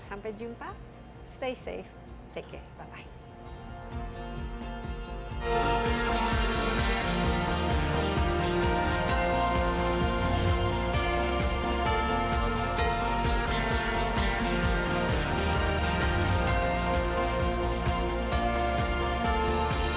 sampai jumpa stay safe take care bye bye